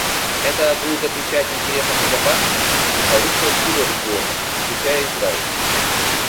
Это будет отвечать интересам безопасности и благополучия всего региона, включая Израиль.